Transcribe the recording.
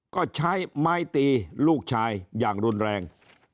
ก็ใช้ไม้ตีลูกชายอย่างรุนแรง